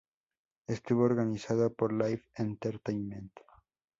Estuvo organizado por Life Entertainment.